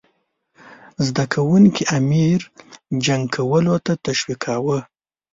زده کوونکي امیر جنګ کولو ته تشویقاووه.